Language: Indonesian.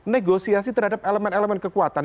negosiasi terhadap elemen elemen kekuatan